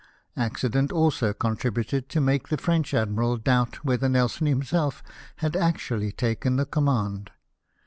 Accident also contributed to make the French Admiral doubt whether Nelson himself had actually taken the com mand.